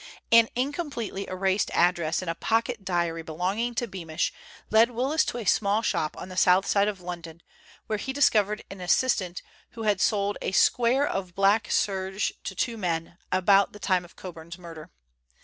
An incompletely erased address in a pocket diary belonging to Beamish led Willis to a small shop on the south side of London, where he discovered an assistant who had sold a square of black serge to two men, about the time of Coburn's murder.